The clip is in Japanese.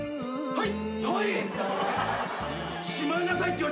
はい！